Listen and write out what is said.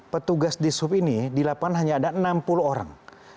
petugas di sub ini di lapangan hanya ada enam puluh orang